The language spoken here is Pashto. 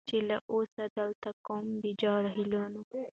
چي لا اوسي دلته قوم د جاهلانو